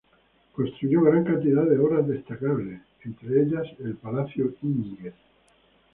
Construyó gran cantidad de obras destacables, entre ellas el Palacio Íñiguez.